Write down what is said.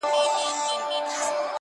راستي د مړو هنر دئ.